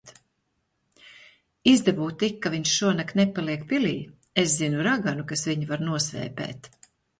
Izdabū tik, ka viņš šonakt nepaliek pilī. Es zinu raganu, kas viņu var nosvēpēt.